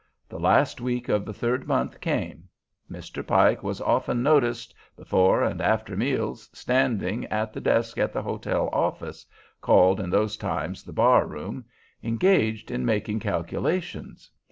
The last week of the third month came. Mr. Pike was often noticed, before and after meals, standing at the desk in the hotel office (called in those times the bar room) engaged in making calculations.